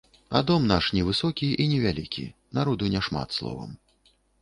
А дом наш невысокі і невялікі, народу няшмат, словам.